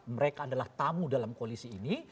mereka adalah tamu dalam koalisi ini